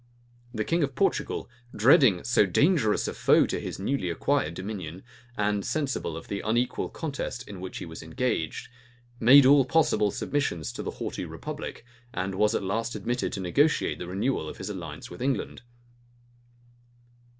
The king of Portugal, dreading so dangerous a foe to his newly acquired dominion, and sensible of the unequal contest in which he was engaged, made all possible submissions to the haughty republic, and was at last admitted to negotiate the renewal of his alliance with England.